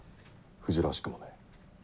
藤らしくもねえ。